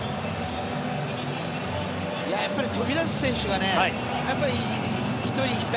やっぱり飛び出す選手が１人、２人。